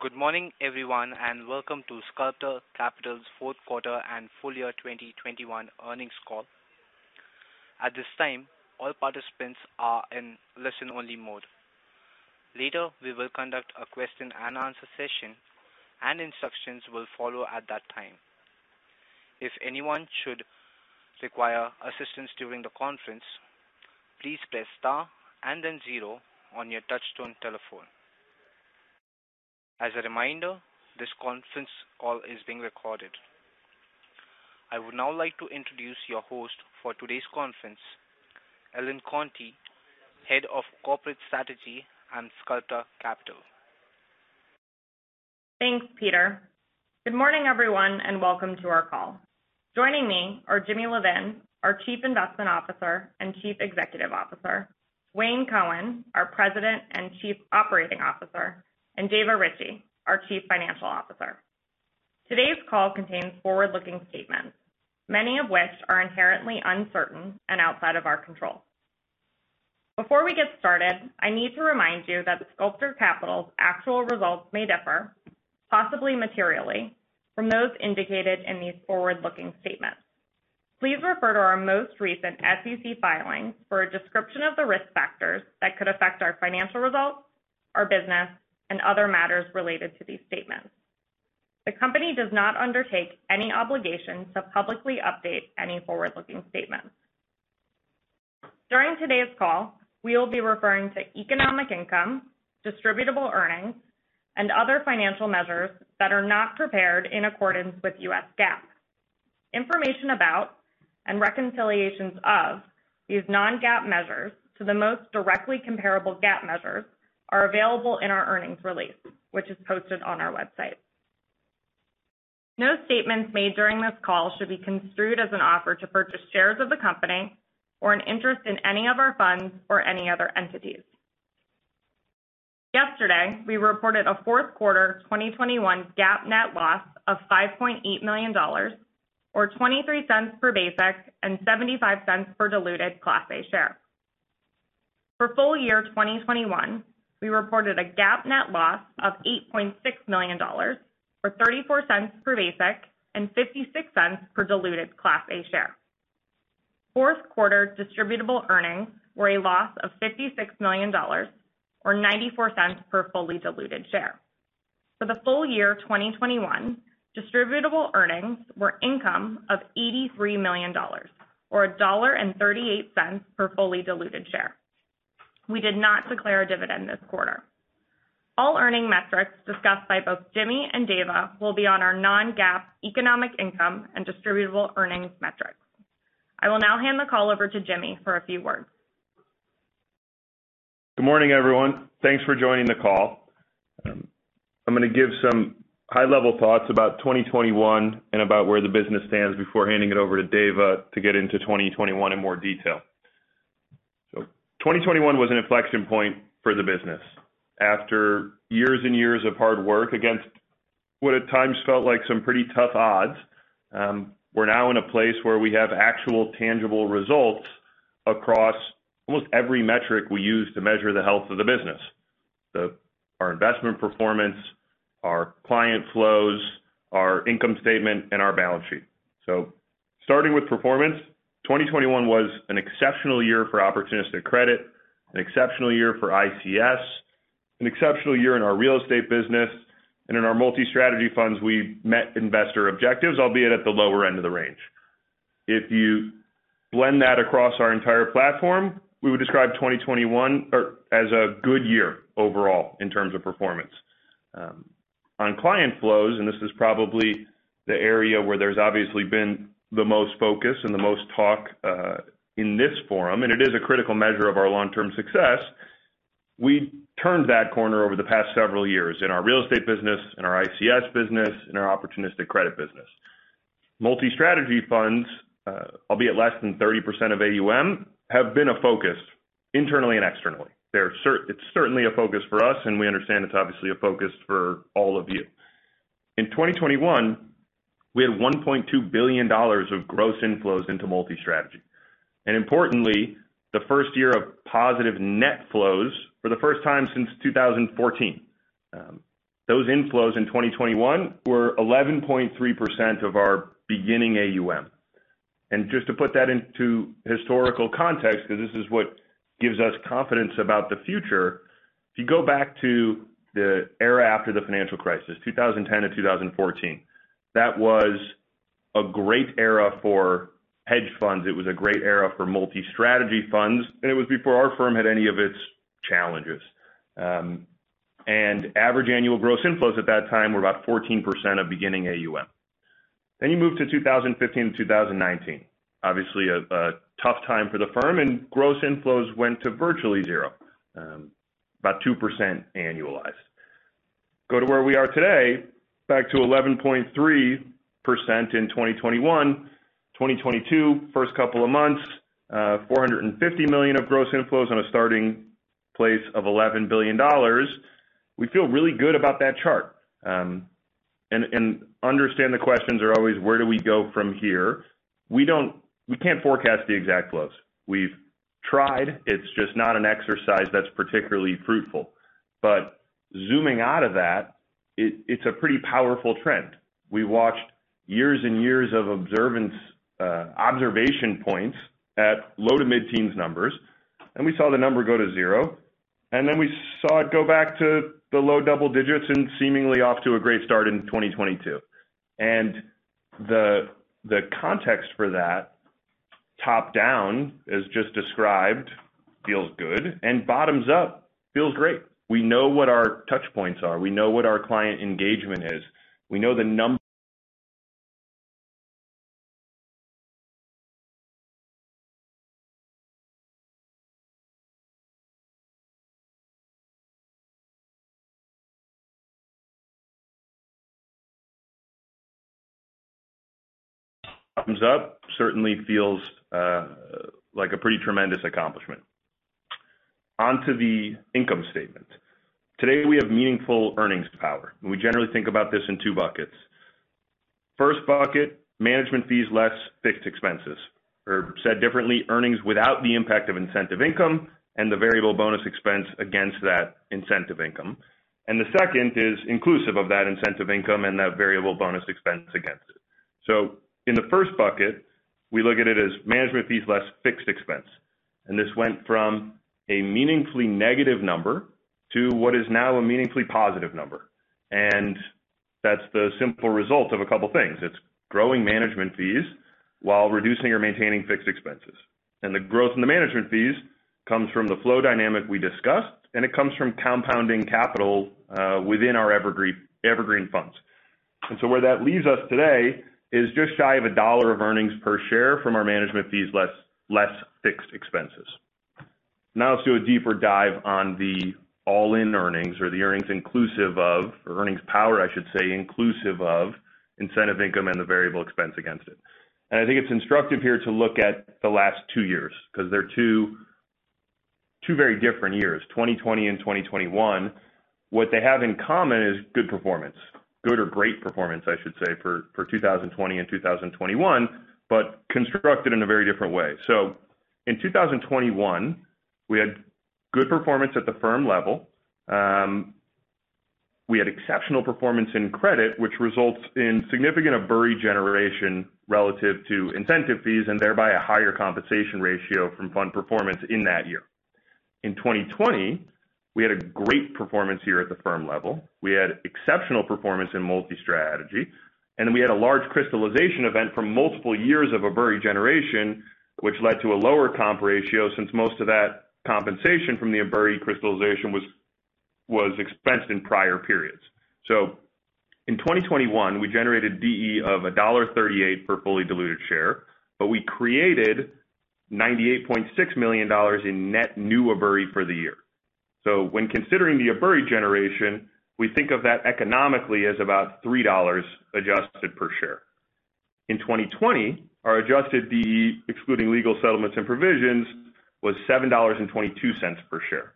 Good morning, everyone, and welcome to Sculptor Capital's fourth quarter and full year 2021 earnings call. At this time, all participants are in listen-only mode. Later, we will conduct a question and answer session, and instructions will follow at that time. If anyone should require assistance during the conference, please press star and then zero on your touchtone telephone. As a reminder, this conference call is being recorded. I would now like to introduce your host for today's conference, Ellen Conti, Head of Corporate Strategy and Sculptor Capital. Thanks, Peter. Good morning, everyone, and welcome to our call. Joining me are Jimmy Levin, our Chief Investment Officer and Chief Executive Officer, Wayne Cohen, our President and Chief Operating Officer, and Dava Ritchea, our Chief Financial Officer. Today's call contains forward-looking statements, many of which are inherently uncertain and outside of our control. Before we get started, I need to remind you that Sculptor Capital's actual results may differ, possibly materially, from those indicated in these forward-looking statements. Please refer to our most recent SEC filings for a description of the risk factors that could affect our financial results, our business, and other matters related to these statements. The company does not undertake any obligation to publicly update any forward-looking statements. During today's call, we will be referring to economic income, distributable earnings, and other financial measures that are not prepared in accordance with U.S. GAAP. Information about and reconciliations of these non-GAAP measures to the most directly comparable GAAP measures are available in our earnings release, which is posted on our website. No statements made during this call should be construed as an offer to purchase shares of the company or an interest in any of our funds or any other entities. Yesterday, we reported a fourth quarter 2021 GAAP net loss of $5.8 million, or $0.23 per basic and $0.75 per diluted Class A share. For full year 2021, we reported a GAAP net loss of $8.6 million, or $0.34 per basic and $0.56 per diluted Class A share. Fourth quarter distributable earnings were a loss of $56 million, or $0.94 per fully diluted share. For the full year of 2021, distributable earnings were $83 million, or $1.38 per fully diluted share. We did not declare a dividend this quarter. All earnings metrics discussed by both Jimmy and Dava will be on our non-GAAP economic income and distributable earnings metrics. I will now hand the call over to Jimmy for a few words. Good morning, everyone. Thanks for joining the call. I'm gonna give some high-level thoughts about 2021 and about where the business stands before handing it over to Dava to get into 2021 in more detail. 2021 was an inflection point for the business. After years and years of hard work against what at times felt like some pretty tough odds, we're now in a place where we have actual tangible results across almost every metric we use to measure the health of the business. Our investment performance, our client flows, our income statement, and our balance sheet. Starting with performance, 2021 was an exceptional year for opportunistic credit, an exceptional year for ICS, an exceptional year in our real estate business. In our multi-strategy funds, we met investor objectives, albeit at the lower end of the range. If you blend that across our entire platform, we would describe 2021 as a good year overall in terms of performance. On client flows, and this is probably the area where there's obviously been the most focus and the most talk, in this forum, and it is a critical measure of our long-term success. We turned that corner over the past several years in our real estate business, in our ICS business, in our opportunistic credit business. Multi-strategy funds, albeit less than 30% of AUM, have been a focus internally and externally. It's certainly a focus for us, and we understand it's obviously a focus for all of you. In 2021, we had $1.2 billion of gross inflows into multi-strategy. Importantly, the first year of positive net flows for the first time since 2014. Those inflows in 2021 were 11.3% of our beginning AUM. Just to put that into historical context, because this is what gives us confidence about the future. If you go back to the era after the financial crisis, 2010 to 2014, that was a great era for hedge funds. It was a great era for multi-strategy funds, and it was before our firm had any of its challenges. Average annual gross inflows at that time were about 14% of beginning AUM. Then you move to 2015 to 2019. Obviously a tough time for the firm, and gross inflows went to virtually zero, about 2% annualized. Go to where we are today, back to 11.3% in 2021. 2022, first couple of months, $450 million of gross inflows on a starting place of $11 billion. We feel really good about that chart. We understand the questions are always where do we go from here? We can't forecast the exact flows. We've tried. It's just not an exercise that's particularly fruitful. Zooming out of that, it's a pretty powerful trend. We watched years and years of observation points at low to mid-teens numbers, and we saw the number go to zero, and then we saw it go back to the low double digits and seemingly off to a great start in 2022. The context for that, top-down, as just described, feels good, and bottoms up feels great. We know what our touch points are. We know what our client engagement is. Bottoms up certainly feels like a pretty tremendous accomplishment. On to the income statement. Today, we have meaningful earnings power, and we generally think about this in two buckets. First bucket, management fees less fixed expenses, or said differently, earnings without the impact of incentive income and the variable bonus expense against that incentive income. The second is inclusive of that incentive income and that variable bonus expense against it. In the first bucket, we look at it as management fees less fixed expense. This went from a meaningfully negative number to what is now a meaningfully positive number. That's the simple result of a couple things. It's growing management fees while reducing or maintaining fixed expenses. The growth in the management fees comes from the flow dynamic we discussed, and it comes from compounding capital within our evergreen funds. Where that leaves us today is just shy of $1 of earnings per share from our management fees less fixed expenses. Now let's do a deeper dive on the all-in earnings or the earnings inclusive of, or earnings power, I should say, inclusive of incentive income and the variable expense against it. I think it's instructive here to look at the last two years because they're two very different years, 2020 and 2021. What they have in common is good performance. Good or great performance, I should say, for 2020 and 2021, but constructed in a very different way. In 2021, we had good performance at the firm level. We had exceptional performance in credit, which results in significant ABURI generation relative to incentive fees and thereby a higher compensation ratio from fund performance in that year. In 2020, we had a great performance year at the firm level. We had exceptional performance in multi-strategy. We had a large crystallization event from multiple years of ABURI generation, which led to a lower comp ratio since most of that compensation from the ABURI crystallization was expensed in prior periods. In 2021, we generated DE of $1.38 per fully diluted share, but we created $98.6 million in net new ABURI for the year. When considering the ABURI generation, we think of that economically as about $3 adjusted per share. In 2020, our adjusted DE, excluding legal settlements and provisions, was $7.22 per share.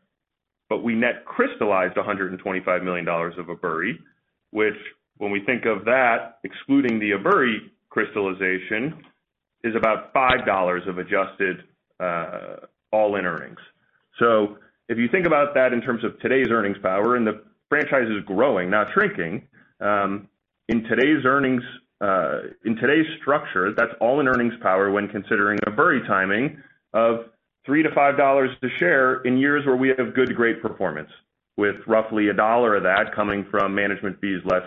We net crystallized $125 million of ABURI, which when we think of that, excluding the ABURI crystallization, is about $5 of adjusted, all-in earnings. If you think about that in terms of today's earnings power, and the franchise is growing, not shrinking, in today's structure, that's all-in earnings power when considering ABURI timing of $3-$5 per share in years where we have good to great performance, with roughly $1 of that coming from management fees less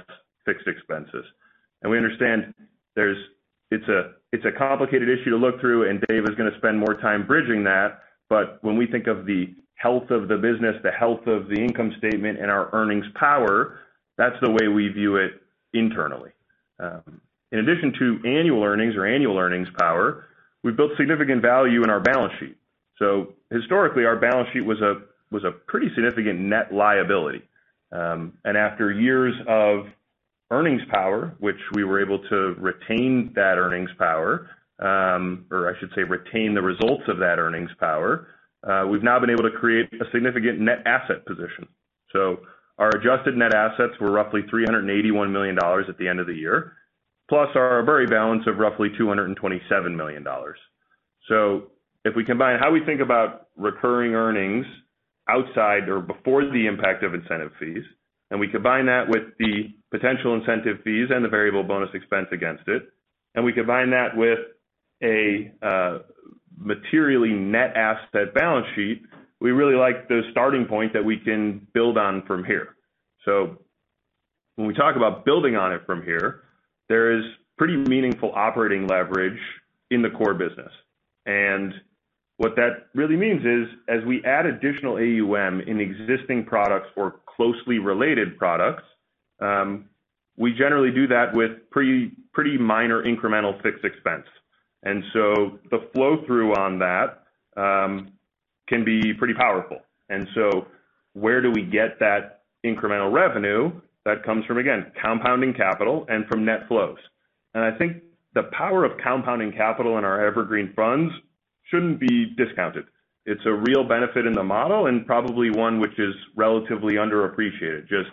fixed expenses. We understand there's, it's a complicated issue to look through, and Dava is gonna spend more time bridging that. When we think of the health of the business, the health of the income statement and our earnings power, that's the way we view it internally. In addition to annual earnings or annual earnings power, we've built significant value in our balance sheet. Historically, our balance sheet was a pretty significant net liability. After years of earnings power, which we were able to retain that earnings power, or I should say retain the results of that earnings power, we've now been able to create a significant net asset position. Our adjusted net assets were roughly $381 million at the end of the year, plus our ABURI balance of roughly $227 million. If we combine how we think about recurring earnings outside or before the impact of incentive fees, and we combine that with the potential incentive fees and the variable bonus expense against it, and we combine that with a materially net asset balance sheet, we really like the starting point that we can build on from here. When we talk about building on it from here, there is pretty meaningful operating leverage in the core business. What that really means is, as we add additional AUM in existing products or closely related products, we generally do that with pretty minor incremental fixed expense. The flow-through on that can be pretty powerful. Where do we get that incremental revenue? That comes from, again, compounding capital and from net flows. I think the power of compounding capital in our evergreen funds shouldn't be discounted. It's a real benefit in the model, and probably one which is relatively underappreciated. Just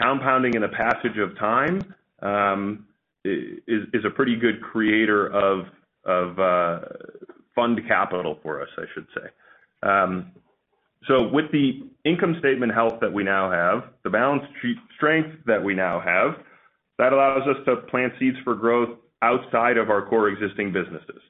compounding in the passage of time is a pretty good creator of fund capital for us, I should say. So with the income statement health that we now have, the balance sheet strength that we now have, that allows us to plant seeds for growth outside of our core existing businesses.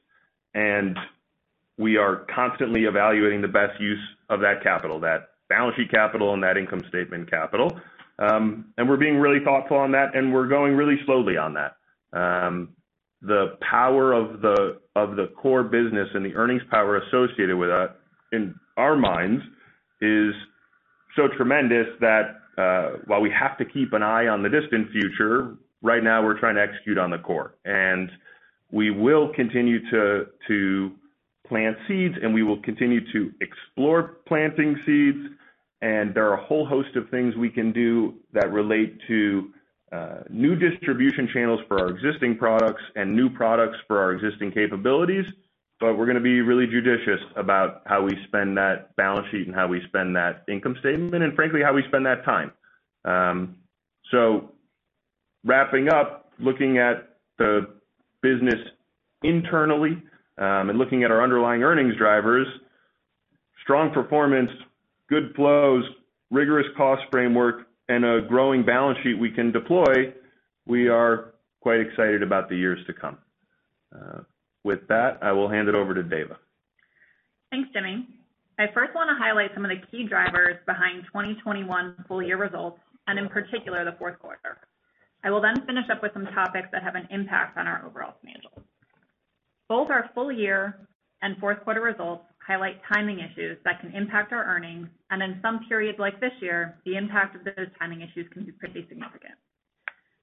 We are constantly evaluating the best use of that capital, that balance sheet capital and that income statement capital. We're being really thoughtful on that, and we're going really slowly on that. The power of the core business and the earnings power associated with that, in our minds, is so tremendous that, while we have to keep an eye on the distant future, right now we're trying to execute on the core. We will continue to plant seeds, and we will continue to explore planting seeds. There are a whole host of things we can do that relate to new distribution channels for our existing products and new products for our existing capabilities. We're gonna be really judicious about how we spend that balance sheet and how we spend that income statement and frankly, how we spend that time. Wrapping up, looking at the business internally, and looking at our underlying earnings drivers, strong performance, good flows, rigorous cost framework, and a growing balance sheet we can deploy, we are quite excited about the years to come. With that, I will hand it over to Dava. Thanks, Jimmy. I first wanna highlight some of the key drivers behind 2021 full year results and in particular, the fourth quarter. I will then finish up with some topics that have an impact on our overall financials. Both our full year and fourth quarter results highlight timing issues that can impact our earnings. In some periods like this year, the impact of those timing issues can be pretty significant.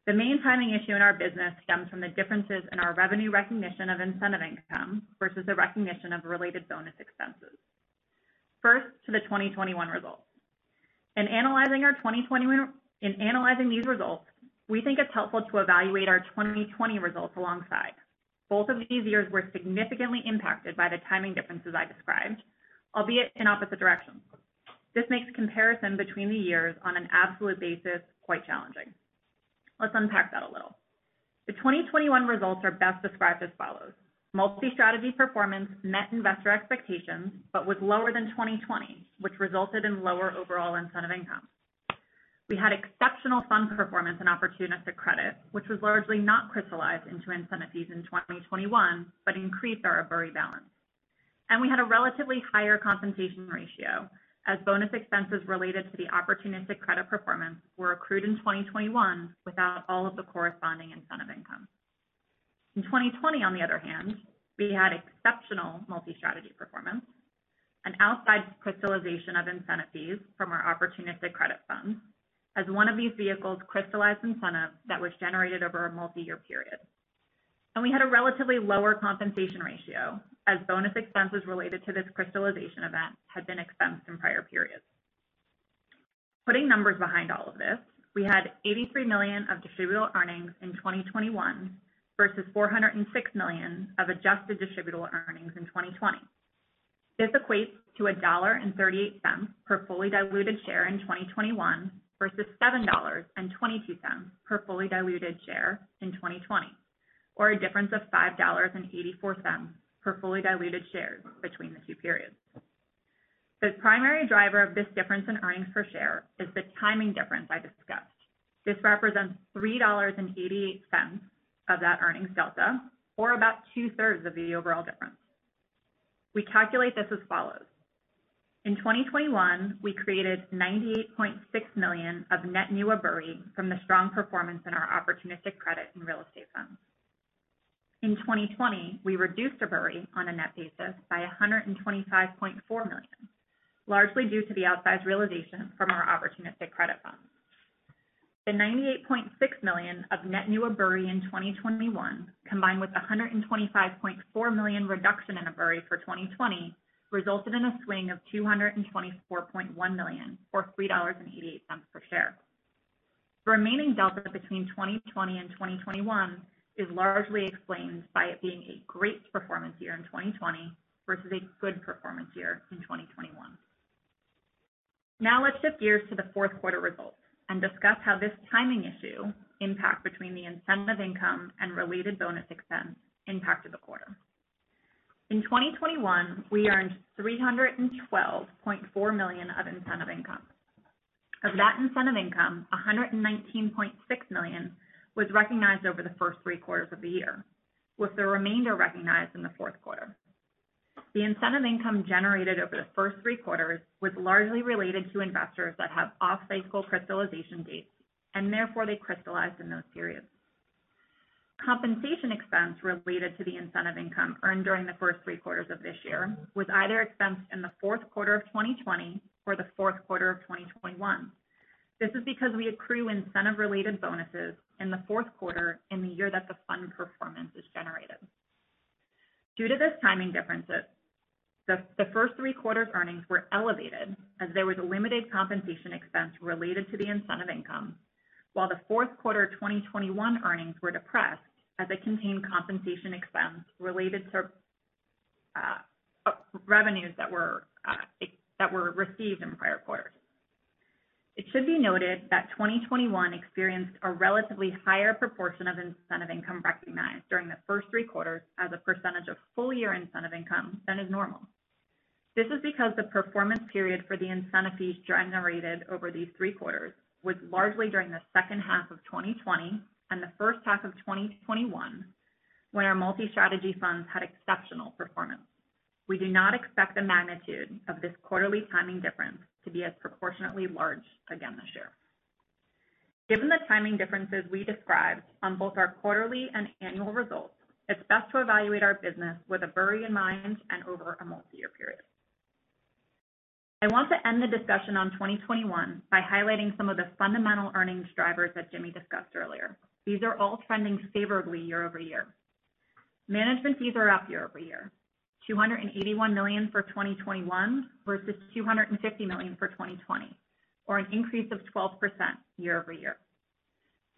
The main timing issue in our business stems from the differences in our revenue recognition of incentive income versus the recognition of related bonus expenses. First, to the 2021 results. In analyzing these results, we think it's helpful to evaluate our 2020 results alongside. Both of these years were significantly impacted by the timing differences I described, albeit in opposite directions. This makes comparison between the years on an absolute basis quite challenging. Let's unpack that a little. The 2021 results are best described as follows: multi-strategy performance met investor expectations but was lower than 2020, which resulted in lower overall incentive income. We had exceptional fund performance and opportunistic credit, which was largely not crystallized into incentive fees in 2021, but increased our ABURI balance. We had a relatively higher compensation ratio as bonus expenses related to the opportunistic credit performance were accrued in 2021 without all of the corresponding incentive income. In 2020, on the other hand, we had exceptional multi-strategy performance, an outsized crystallization of incentive fees from our opportunistic credit funds, as one of these vehicles crystallized incentives that were generated over a multi-year period. We had a relatively lower compensation ratio as bonus expenses related to this crystallization event had been expensed in prior periods. Putting numbers behind all of this, we had $83 million of distributable earnings in 2021 versus $406 million of adjusted distributable earnings in 2020. This equates to $1.38 per fully diluted share in 2021 versus $7.22 per fully diluted share in 2020, or a difference of $5.84 per fully diluted share between the two periods. The primary driver of this difference in earnings per share is the timing difference I discussed. This represents $3.88 of that earnings delta, or about two-thirds of the overall difference. We calculate this as follows. In 2021, we created $98.6 million of net new ABURI from the strong performance in our opportunistic credit and real estate funds. In 2020, we reduced ABURI on a net basis by $125.4 million, largely due to the outsized realization from our opportunistic credit funds. The $98.6 million of net new ABURI in 2021, combined with the $125.4 million reduction in ABURI for 2020, resulted in a swing of $224.1 million or $3.88 per share. The remaining delta between 2020 and 2021 is largely explained by it being a great performance year in 2020 versus a good performance year in 2021. Now let's shift gears to the fourth quarter results and discuss how this timing issue impacts between the incentive income and related bonus expense impacted the quarter. In 2021, we earned $312.4 million of incentive income. Of that incentive income, $119.6 million was recognized over the first three quarters of the year, with the remainder recognized in the fourth quarter. The incentive income generated over the first three quarters was largely related to investors that have off-cycle crystallization dates and therefore they crystallized in those periods. Compensation expense related to the incentive income earned during the first three quarters of this year was either expensed in the fourth quarter of 2020 or the fourth quarter of 2021. This is because we accrue incentive-related bonuses in the fourth quarter in the year that the fund performance is generated. Due to this timing differences, the first three quarters earnings were elevated as there was limited compensation expense related to the incentive income. While the fourth quarter 2021 earnings were depressed as it contained compensation expense related to revenues that were received in prior quarters. It should be noted that 2021 experienced a relatively higher proportion of incentive income recognized during the first three quarters as a percentage of full-year incentive income than is normal. This is because the performance period for the incentive fees generated over these three quarters was largely during the second half of 2020 and the first half of 2021, when our multi-strategy funds had exceptional performance. We do not expect the magnitude of this quarterly timing difference to be as proportionately large again this year. Given the timing differences we described on both our quarterly and annual results, it's best to evaluate our business with ABURI in mind and over a multi-year period. I want to end the discussion on 2021 by highlighting some of the fundamental earnings drivers that Jimmy discussed earlier. These are all trending favorably year-over-year. Management fees are up year-over-year, $281 million for 2021 versus $250 million for 2020, or an increase of 12% year-over-year.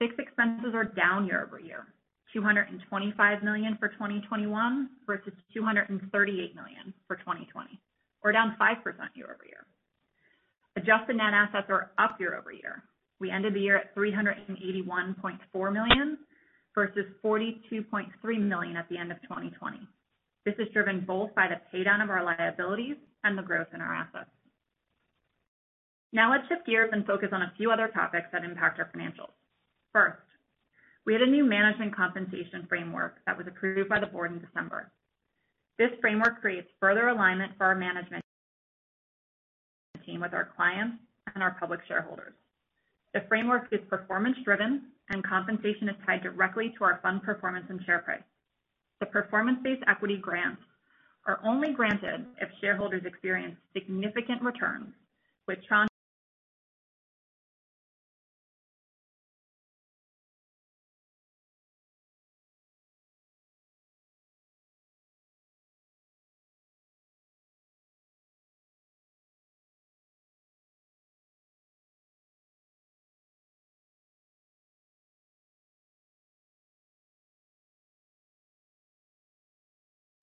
Fixed expenses are down year-over-year, $225 million for 2021 versus $238 million for 2020, or down 5% year-over-year. Adjusted net assets are up year-over-year. We ended the year at $381.4 million versus $42.3 million at the end of 2020. This is driven both by the paydown of our liabilities and the growth in our assets. Now let's shift gears and focus on a few other topics that impact our financials. First, we had a new management compensation framework that was approved by the board in December. This framework creates further alignment for our management team with our clients and our public shareholders. The framework is performance driven and compensation is tied directly to our fund performance and share price. The performance-based equity grants are only granted if shareholders experience significant returns, which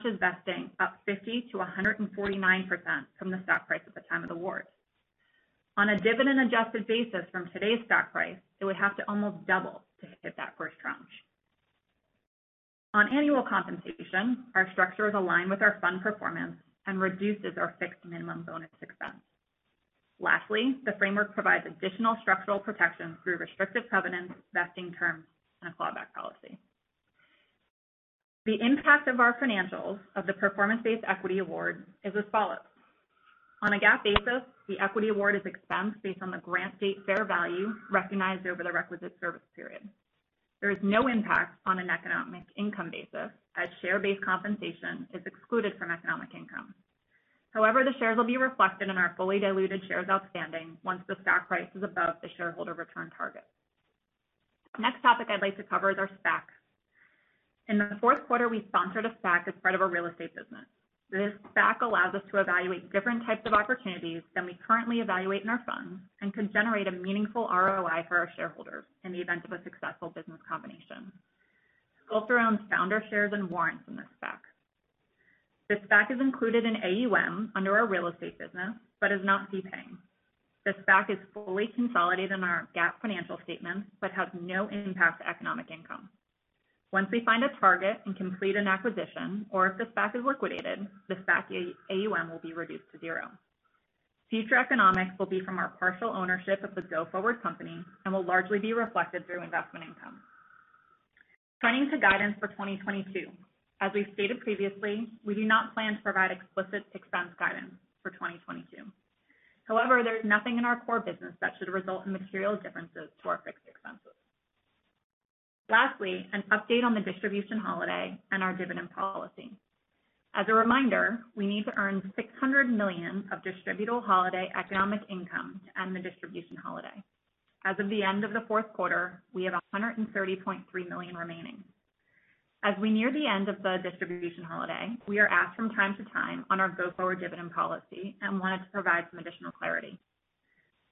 tranche vesting up 50%-149% from the stock price at the time of the award. On a dividend-adjusted basis from today's stock price, it would have to almost double to hit that first tranche. On annual compensation, our structure is aligned with our fund performance and reduces our fixed minimum bonus expense. Lastly, the framework provides additional structural protections through restrictive covenants, vesting terms, and a clawback policy. The impact on our financials of the performance-based equity award is as follows. On a GAAP basis, the equity award is expensed based on the grant date fair value recognized over the requisite service period. There is no impact on an economic income basis as share-based compensation is excluded from economic income. However, the shares will be reflected in our fully diluted shares outstanding once the stock price is above the shareholder return target. Next topic I'd like to cover is our SPACs. In the fourth quarter, we sponsored a SPAC as part of our real estate business. This SPAC allows us to evaluate different types of opportunities than we currently evaluate in our funds and can generate a meaningful ROI for our shareholders in the event of a successful business combination. Sculptor owns founder shares and warrants in this SPAC. This SPAC is included in AUM under our real estate business, but is not fee paying. This SPAC is fully consolidated in our GAAP financial statements, but has no impact to economic income. Once we find a target and complete an acquisition, or if the SPAC is liquidated, the SPAC AUM will be reduced to zero. Future economics will be from our partial ownership of the go-forward company and will largely be reflected through investment income. Turning to guidance for 2022. As we've stated previously, we do not plan to provide explicit expense guidance for 2022. However, there's nothing in our core business that should result in material differences to our fixed expenses. Lastly, an update on the distribution holiday and our dividend policy. As a reminder, we need to earn $600 million of distribution holiday economic income to end the distribution holiday. As of the end of the fourth quarter, we have $130.3 million remaining. As we near the end of the distribution holiday, we are asked from time to time on our go-forward dividend policy and wanted to provide some additional clarity.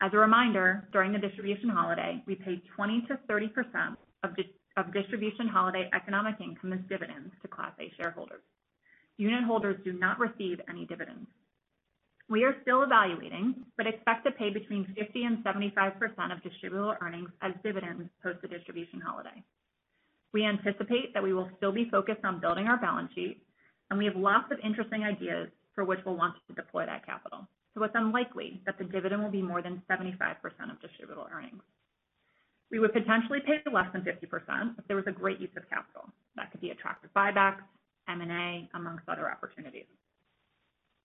As a reminder, during the distribution holiday, we paid 20%-30% of distribution holiday economic income as dividends to Class A shareholders. Unitholders do not receive any dividends. We are still evaluating, but expect to pay between 50% and 75% of distributable earnings as dividends post the distribution holiday. We anticipate that we will still be focused on building our balance sheet, and we have lots of interesting ideas for which we'll want to deploy that capital. It's unlikely that the dividend will be more than 75% of distributable earnings. We would potentially pay less than 50% if there was a great use of capital. That could be attractive buybacks, M&A, among other opportunities.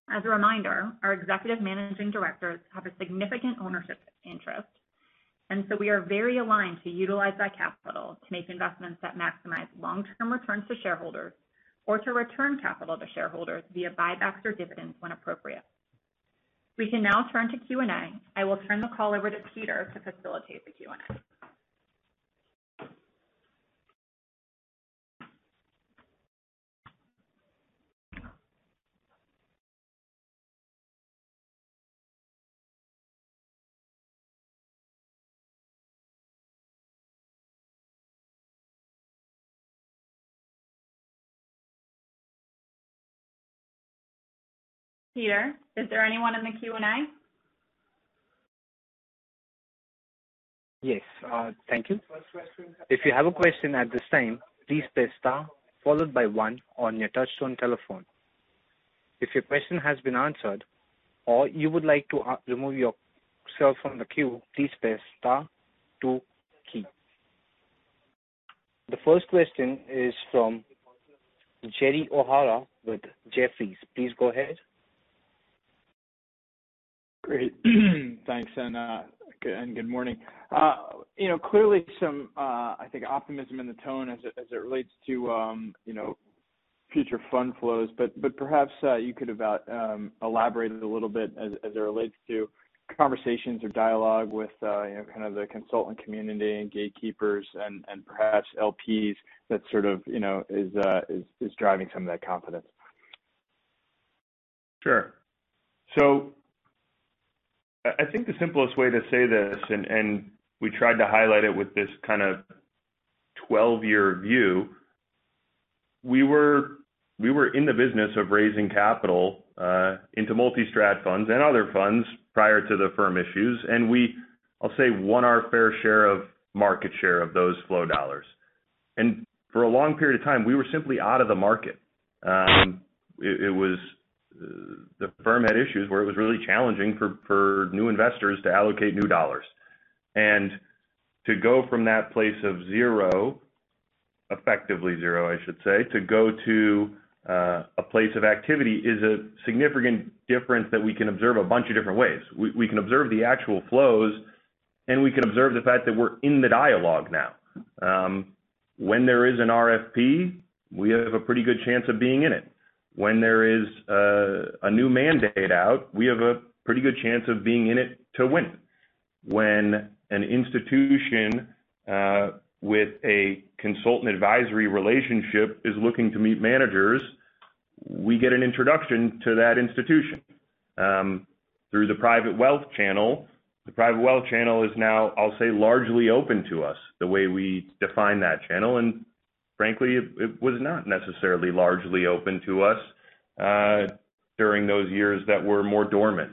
As a reminder, our Executive Managing Directors have a significant ownership interest, and so we are very aligned to utilize that capital to make investments that maximize long-term returns to shareholders or to return capital to shareholders via buybacks or dividends when appropriate. We can now turn to Q&A. I will turn the call over to Peter to facilitate the Q&A. Peter, is there anyone in the Q&A? Yes. Thank you. If you have a question at this time, please press star followed by one on your touch-tone telephone. If your question has been answered or you would like to remove yourself from the queue, please press star, two key. The first question is from Gerald O'Hara with Jefferies. Please go ahead. Great. Thanks, and good morning. You know, clearly some I think optimism in the tone as it relates to you know future fund flows, but perhaps you could elaborate it a little bit as it relates to conversations or dialogue with you know kind of the consultant community and gatekeepers and perhaps LPs that sort of you know is driving some of that confidence. Sure. I think the simplest way to say this, and we tried to highlight it with this kind of 12-year view. We were in the business of raising capital into multi-strat funds and other funds prior to the firm issues, and I'll say, won our fair share of market share of those flow dollars. For a long period of time, we were simply out of the market. The firm had issues where it was really challenging for new investors to allocate new dollars. To go from that place of zero, effectively zero, I should say, to a place of activity is a significant difference that we can observe a bunch of different ways. We can observe the actual flows, and we can observe the fact that we're in the dialogue now. When there is an RFP, we have a pretty good chance of being in it. When there is a new mandate out, we have a pretty good chance of being in it to win. When an institution with a consultant advisory relationship is looking to meet managers, we get an introduction to that institution through the private wealth channel. The private wealth channel is now, I'll say, largely open to us the way we define that channel. Frankly, it was not necessarily largely open to us during those years that were more dormant.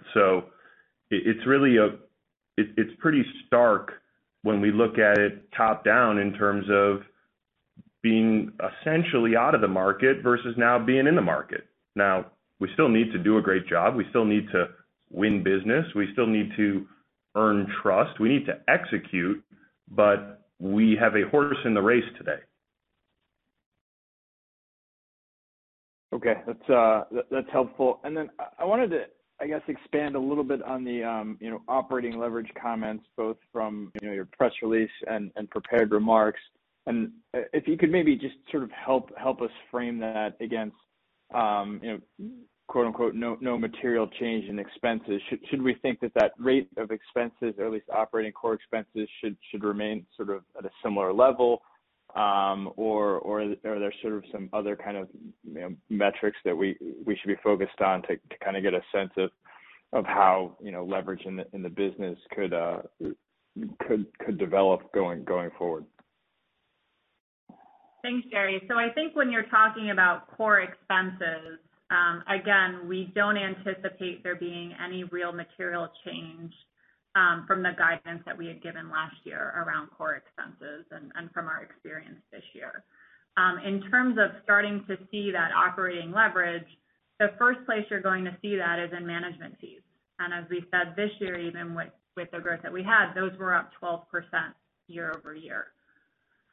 It's pretty stark when we look at it top-down in terms of being essentially out of the market versus now being in the market. Now, we still need to do a great job. We still need to win business. We still need to earn trust. We need to execute, but we have a horse in the race today. Okay. That's helpful. Then I wanted to, I guess, expand a little bit on the, you know, operating leverage comments both from, you know, your press release and prepared remarks. If you could maybe just sort of help us frame that against, you know, quote-unquote, "no material change in expenses." Should we think that that rate of expenses or at least operating core expenses should remain sort of at a similar level, or are there sort of some other kind of metrics that we should be focused on to kind of get a sense of how, you know, leverage in the business could develop going forward? Thanks, Gerald. I think when you're talking about core expenses, again, we don't anticipate there being any real material change from the guidance that we had given last year around core expenses and from our experience this year. In terms of starting to see that operating leverage, the first place you're going to see that is in management fees. As we said this year, even with the growth that we had, those were up 12% year-over-year.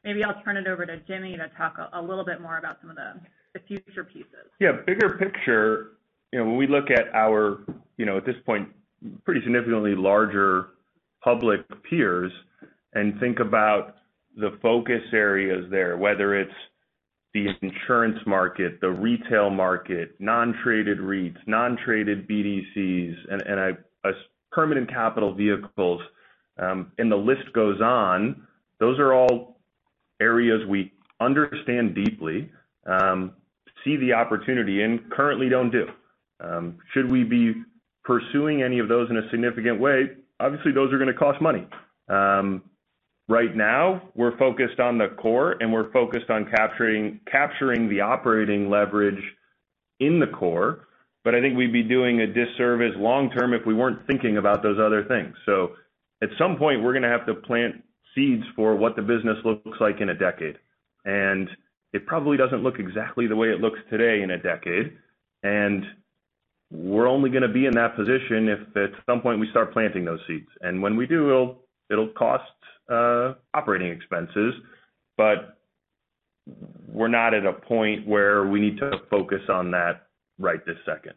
Maybe I'll turn it over to Jimmy to talk a little bit more about some of the future pieces. Yeah. Bigger picture, you know, when we look at our, you know, at this point, pretty significantly larger public peers and think about the focus areas there, whether it's the insurance market, the retail market, non-traded REITs, non-traded BDCs, and a permanent capital vehicles, and the list goes on. Those are all areas we understand deeply, see the opportunity and currently don't do. Should we be pursuing any of those in a significant way? Obviously, those are gonna cost money. Right now we're focused on the core, and we're focused on capturing the operating leverage in the core. I think we'd be doing a disservice long term if we weren't thinking about those other things. At some point, we're gonna have to plant seeds for what the business looks like in a decade. It probably doesn't look exactly the way it looks today in a decade. We're only gonna be in that position if at some point we start planting those seeds. When we do, it'll cost operating expenses, but we're not at a point where we need to focus on that right this second.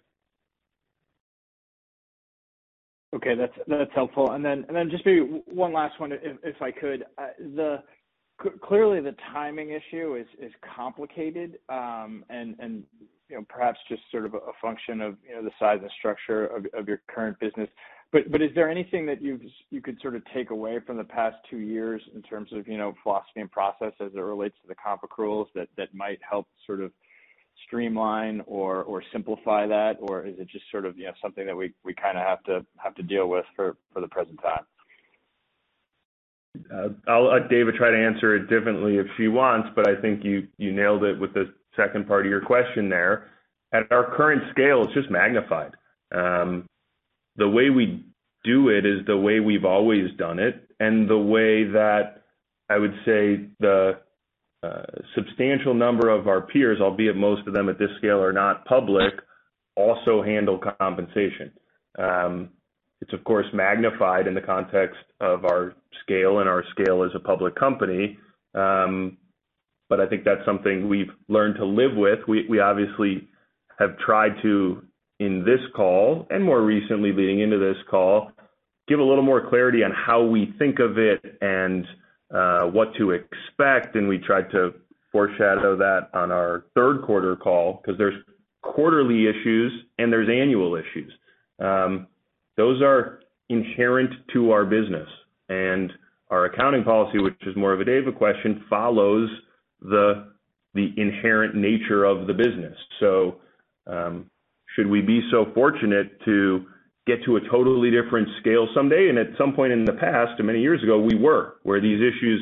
Okay. That's helpful. Then just maybe one last one if I could. Clearly, the timing issue is complicated, and, you know, perhaps just sort of a function of, you know, the size and structure of your current business. But is there anything that you could sort of take away from the past two years in terms of, you know, philosophy and process as it relates to the comp accruals that might help sort of Streamline or simplify that? Or is it just sort of, you know, something that we kind of have to deal with for the present time? I'll let Dava try to answer it differently if he wants, but I think you nailed it with the second part of your question there. At our current scale, it's just magnified. The way we do it is the way we've always done it, and the way that, I would say, the substantial number of our peers, albeit most of them at this scale are not public, also handle compensation. It's of course magnified in the context of our scale and our scale as a public company, but I think that's something we've learned to live with. We obviously have tried to, in this call, and more recently leading into this call, give a little more clarity on how we think of it and what to expect. We tried to foreshadow that on our third quarter call 'cause there's quarterly issues, and there's annual issues. Those are inherent to our business. Our accounting policy, which is more of a Dava question, follows the inherent nature of the business. Should we be so fortunate to get to a totally different scale someday, and at some point in the past, and many years ago we were, where these issues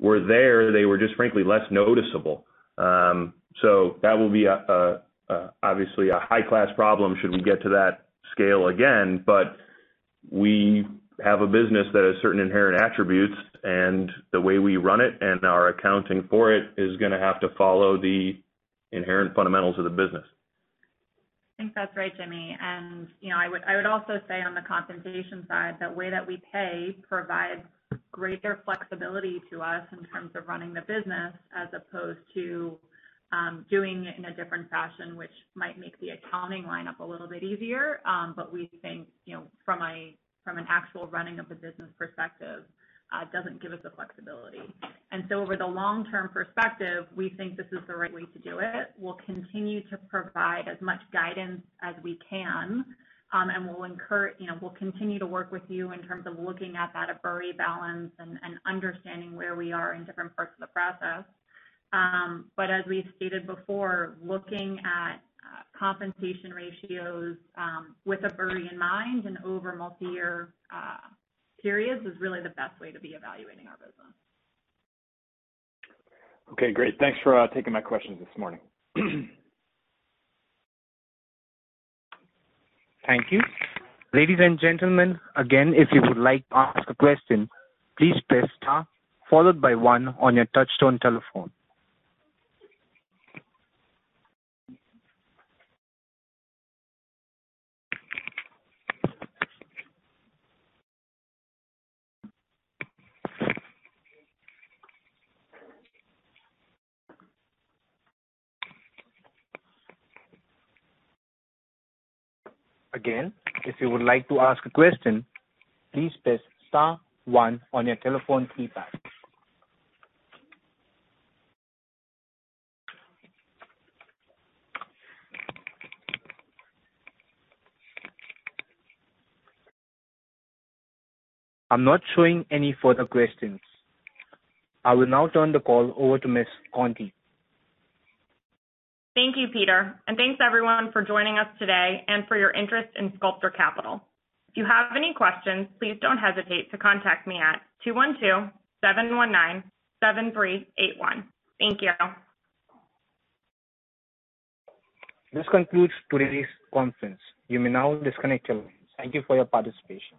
were there, they were just frankly less noticeable. That will be an obviously high-class problem should we get to that scale again. We have a business that has certain inherent attributes, and the way we run it and our accounting for it is gonna have to follow the inherent fundamentals of the business. I think that's right, Jimmy. You know, I would also say on the compensation side, the way that we pay provides greater flexibility to us in terms of running the business as opposed to doing it in a different fashion, which might make the accounting line up a little bit easier. We think, you know, from an actual running of the business perspective, it doesn't give us the flexibility. Over the long-term perspective, we think this is the right way to do it. We'll continue to provide as much guidance as we can, and we'll continue to work with you in terms of looking at that ABURI balance and understanding where we are in different parts of the process. As we've stated before, looking at compensation ratios with ABURI in mind and over multiyear periods is really the best way to be evaluating our business. Okay, great. Thanks for taking my questions this morning. Thank you. Ladies and gentlemen, again, if you would like to ask a question, please press star followed by one on your touchtone telephone. Again, if you would like to ask a question, please press star one on your telephone keypad. I'm not showing any further questions. I will now turn the call over to Ms. Conti. Thank you, Peter, and thanks everyone for joining us today and for your interest in Sculptor Capital. If you have any questions, please don't hesitate to contact me at 212-719-7381. Thank you. This concludes today's conference. You may now disconnect your lines. Thank you for your participation.